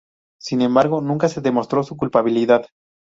Sin embargo, nunca se demostró su culpabilidad.